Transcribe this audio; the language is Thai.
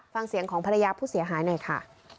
ฟังเสียงของภรรยาผู้เสียหายหน่อยค่ะ